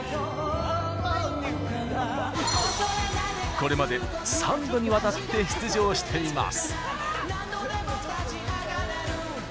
これまで３度にわたって出場しています。